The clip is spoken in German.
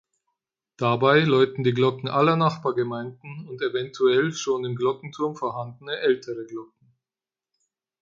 Dabei läuten die Glocken aller Nachbargemeinden und eventuell schon im Glockenturm vorhandene ältere Glocken.